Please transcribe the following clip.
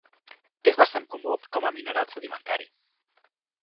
És bastant comú com a mineral sedimentari.